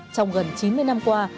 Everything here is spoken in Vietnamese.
trong gần chín mươi năm qua